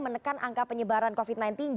menekan angka penyebaran covid sembilan belas